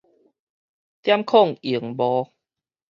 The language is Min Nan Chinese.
點控螢幕